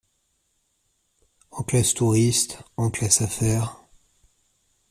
En classe touriste, en classe affaires…